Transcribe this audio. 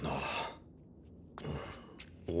お？